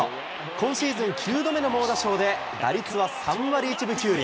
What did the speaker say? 今シーズン９度目の猛打賞で、打率は３割１分９厘。